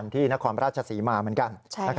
ที่นครราชศรีมาเหมือนกัน